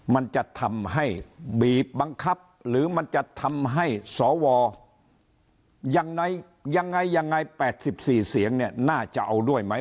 มันจะทำให้บีบบังคับหรือมันจะทำให้สวยังไงยังไง๘๔เสียงเนี่ยน่าจะเอาด้วยไหม